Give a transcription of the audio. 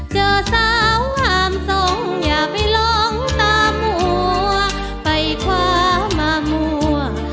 เจอสาวงามทรงอย่าไปลองตามัวไปคว้ามะม่วง